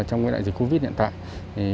trong cái đại dịch covid hiện tại